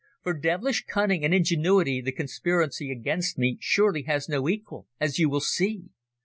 For devilish cunning and ingenuity the conspiracy against me surely has no equal, as you will see.